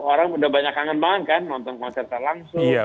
orang udah banyak kangen banget kan nonton konser langsung